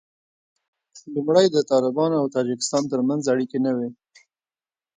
لومړی د طالبانو او تاجکستان تر منځ اړیکې نه وې